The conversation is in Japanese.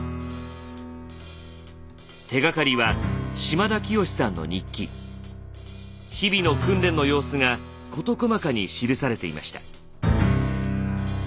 手がかりは日々の訓練の様子が事細かに記されていました。